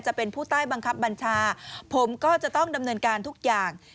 จะเป็นผู้ใต้บังคับบัญชาผมก็จะต้องดำเนินการทุกอย่าง